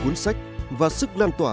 cuốn sách và sức lan tỏa